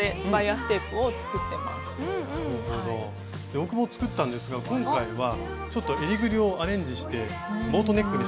僕も作ったんですが今回はちょっとえりぐりをアレンジしてボートネックにしてみました。